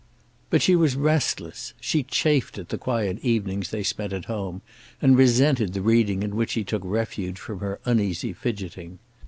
But she was restless. She chafed at the quiet evenings they spent at home, and resented the reading in which he took refuge from her uneasy fidgeting.